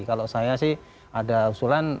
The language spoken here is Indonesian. kalau saya sih ada usulan